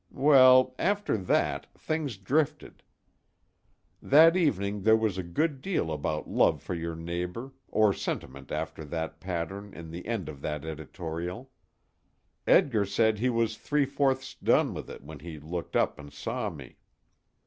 Well, after that, things drifted. That evening there was a good deal about love for your neighbor or sentiment after that pattern, in the end of that editorial. Edgar said he was three fourths done with it when he looked up and saw me.